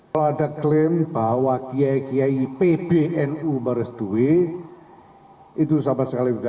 kalau ada klaim bahwa kiai kiai pbnu beres duwi itu sama sekali tidak ada